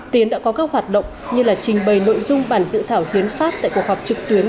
tiến đã có các hoạt động như là trình bày nội dung bản dự thảo hiến pháp tại cuộc họp trực tuyến